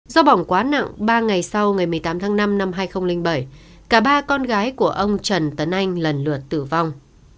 do bỏng quá nặng ba ngày sau ngày một mươi tám tháng năm năm hai nghìn bảy cả ba con gái của ông trần tấn anh lần lượt tử vong